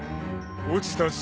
［落ちた滴